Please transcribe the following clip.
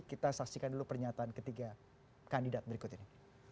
kita saksikan dulu pernyataan ketiga kandidat berikut ini